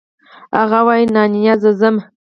هغه وايي نانيه زه ځمه.